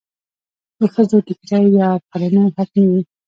د ښځو ټیکری یا پړونی حتمي وي.